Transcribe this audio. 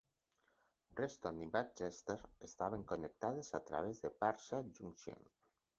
Preston i Manchester estaven connectades a través de Parkside Junction.